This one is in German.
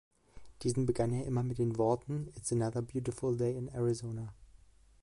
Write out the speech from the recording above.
Diesen begann er immer mit den Worten: „It’s another beautiful day in Arizona.